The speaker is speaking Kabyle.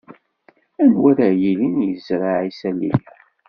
Anwa ara yilin yezreɛ isali-a?